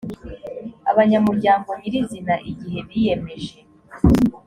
abanyamuryango nyirizina igihe biyemeje